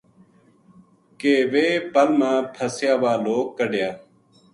کے ویہ پل ما پھسیا وا لوک کَڈہیا